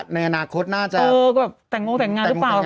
ในอนาคตน่าจะเออก็แบบแต่งโมงแต่งงานหรือเปล่า